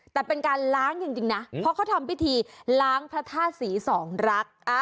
แต่เป็นการล้างจริงนะเพราะเขาทำพิธีล้างพระธาตุศรีสองรัก